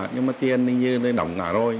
nhưng mà tiền thì như tôi động cả rồi